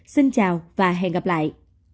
xin chào và hẹn gặp lại